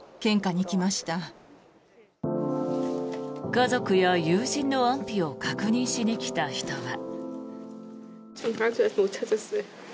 家族や友人の安否を確認しに来た人は。